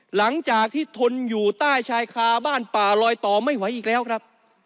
หลังจากที่ทนอยู่ใต้ชายคาบ้านป่าลอยต่อไม่ไหวอีกแล้วครับ